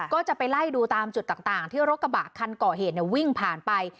ก็จะไปไล่ดูตามจุดต่างที่รถกระบะคันก่อเหตุวิ่งผ่านไป